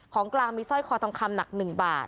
ของกลางมีสร้อยคอทองคำหนัก๑บาท